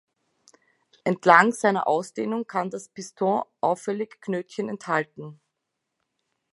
Entlang seiner Ausdehnung kann das Piston auffällige Knötchen enthalten.